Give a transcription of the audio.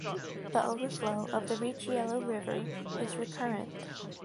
The overflow of the Richelieu River is recurrent.